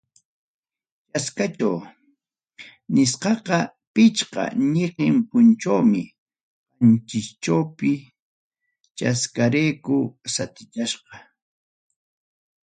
Chaskachaw nisqaqa, pichqa ñiqin punchawmi qanchischawpi, chaskarayku sutichasqa.